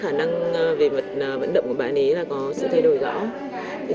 chị thấy điều đầu tiên đấy là khả năng về vận động của bạn ấy có sự thay đổi rõ